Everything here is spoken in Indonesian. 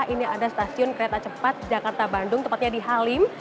ini ada stasiun kereta cepat jakarta bandung tepatnya di halim